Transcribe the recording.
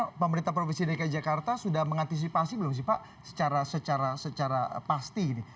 kalau pemerintah provinsi dki jakarta sudah mengantisipasi belum sih pak secara pasti ini